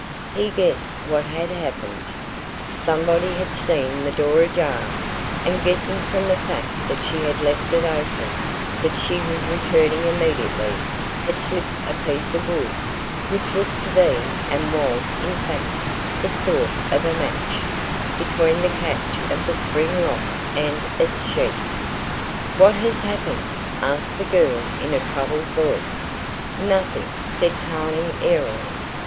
He guessed what had happened. Somebody had seen the door ajar, and guessing from the fact that she had left it open that she was returning immediately, had slipped a piece of wood, which looked to be and was in fact the stalk of a match, between the catch of the spring lock and its sheath. "What has happened?" asked the girl in a troubled voice. "Nothing," said Tarling airily.